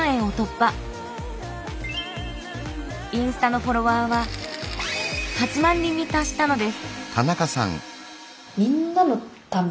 インスタのフォロワーは８万人に達したのです。